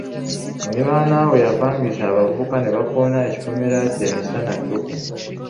Muliraanwa we yapangisizza abavubuka ne bakoona ekikomera kye emisana ttuku.